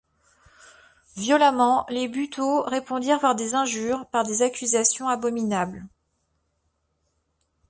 Violemment, les Buteau répondirent par des injures, par des accusations abominables.